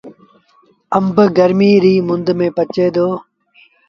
آݩب گرميٚ ريٚ مند ميݩ پچي دو۔